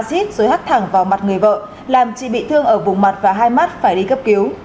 xít rồi hắt thẳng vào mặt người vợ làm chị bị thương ở vùng mặt và hai mắt phải đi cấp cứu